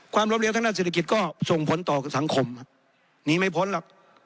ล้มเลี้ยวทางด้านเศรษฐกิจก็ส่งผลต่อสังคมหนีไม่พ้นหรอก